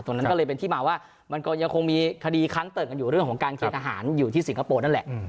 นั้นก็เลยเป็นที่มาว่ามันก็ยังคงมีคดีค้างเติ่งกันอยู่เรื่องของการเกณฑ์ทหารอยู่ที่สิงคโปร์นั่นแหละ